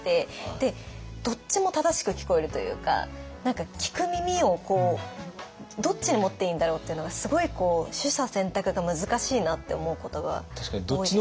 でどっちも正しく聞こえるというか何か聞く耳をどっちに持っていいんだろうっていうのがすごい取捨選択が難しいなって思うことが多いですね。